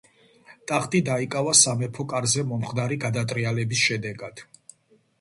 ტახტი დაიკავა სამეფო კარზე მომხდარი გადატრიალების შედეგად.